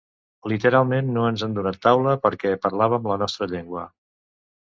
Literalment, no ens han donat taula perquè parlàvem la nostra llengua.